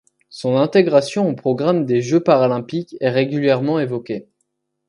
Son intégration au programme des Jeux paralympiques est régulièrement évoquée.